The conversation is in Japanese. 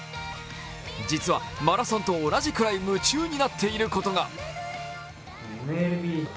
実は、マラソンと同じくらい夢中になっていることが。